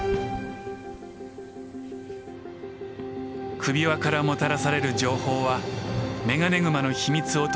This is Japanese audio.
首輪からもたらされる情報はメガネグマの秘密を解き明かす